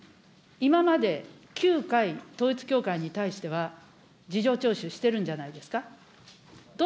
今まで、９回統一教会に対しては事情聴取してるんじゃないですか。